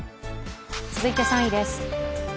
付いて３位です。